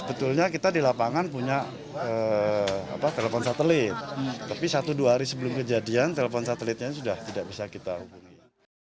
sebetulnya kita di lapangan punya telepon satelit tapi satu dua hari sebelum kejadian telepon satelitnya sudah tidak bisa kita hubungi